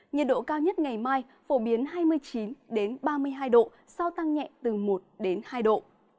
nhiệt độ cao nhất ngày mai phổ biến hai mươi chín ba mươi hai độ sau tăng nhẹ từ một hai độ